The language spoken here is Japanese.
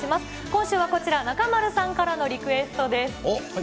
今週はこちら、中丸さんからのリクエストです。